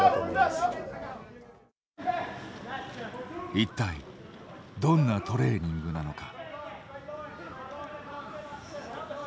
一体どんなトレーニングなのか。